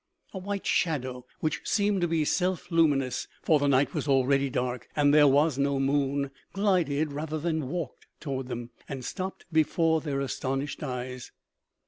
A white shadow, which seemed to be self luminous, for the night was already dark and there was no moon, glided rather than walked toward them, and stopped before their astonished eyes.